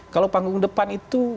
kalau panggung depan itu